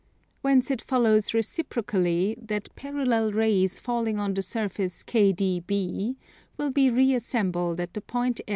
Whence it follows reciprocally that parallel rays falling on the surface KDB will be reassembled at the point L.